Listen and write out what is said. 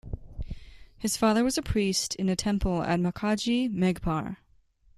His father was a priest in a temple at Makaji Meghpar.